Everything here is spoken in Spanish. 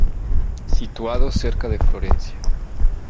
Situado cerca de Florencia.